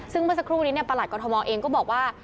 ซึ่งเมื่อสักครู่นี้ประหลัดกรทมเองก็บอกว่า